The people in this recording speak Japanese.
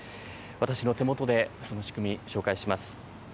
私の手元で、その仕組み、ご紹介します。